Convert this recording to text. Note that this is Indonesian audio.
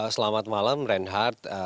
selamat malam reinhardt